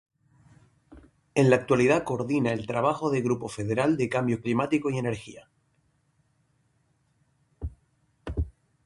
En la actualidad coordina el grupo de trabajo federal de Cambio Climático y Energía.